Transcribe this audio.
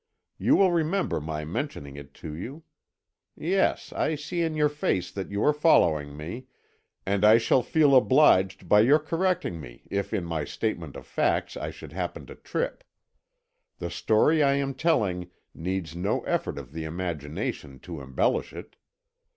You will remember my mentioning it to you. Yes, I see in your face that you are following me, and I shall feel obliged by your correcting me if in my statement of facts I should happen to trip. The story I am telling needs no effort of the imagination to embellish it.